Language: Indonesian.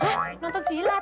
hah nonton silat